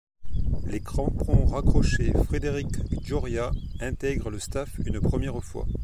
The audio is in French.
Les crampons raccrochés, Frédéric Gioria intègre le staff une première fois.